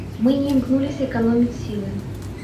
Мы не імкнуліся эканоміць сілы.